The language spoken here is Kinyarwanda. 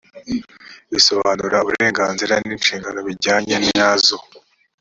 bisobanura uburenganzira n’ inshingano bijyanye nyazo.